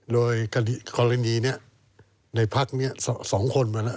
โดยคณะหนีนัยในพักนี้สองคนมาละ